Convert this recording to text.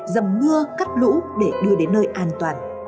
dầm mưa cắt lũ để đưa đến nơi an toàn